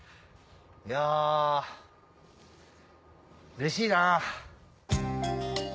いやうれしいな。